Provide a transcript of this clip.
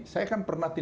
saya kan pernah